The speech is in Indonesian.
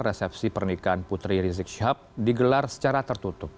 resepsi pernikahan putri rizik syihab digelar secara tertutup